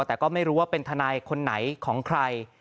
แต่ก็ไม่รู้ว่าเป็นทนายคนไหนของใคร